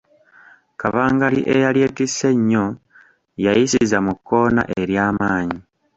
Kabangali eyali etisse ennyo yayisiza mu kkoona ery'amaanyi.